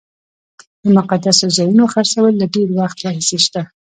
د مقدسو ځایونو خرڅول له ډېر وخت راهیسې شته.